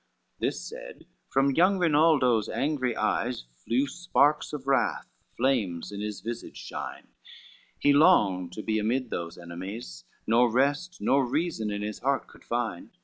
CXXVI This said, from young Rinaldo's angry eyes, Flew sparks of wrath, flames in his visage shined, He longed to be amid those enemies, Nor rest nor reason in his heart could find.